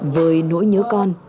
với nỗi nhớ con